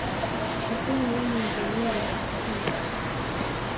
nke weere ọnọdụ n'ụlọ ụka St